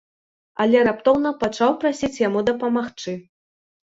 Але раптоўна пачаў прасіць яму дапамагчы.